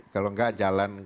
kalau gak jalan